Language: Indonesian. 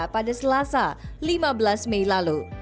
pada selasa lima belas mei lalu